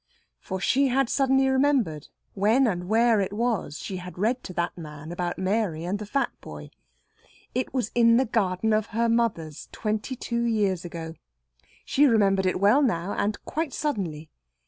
For she had suddenly remembered when and where it was she had read to that man about Mary and the fat boy. It was in the garden at her mother's twenty two years ago. She remembered it well now, and quite suddenly.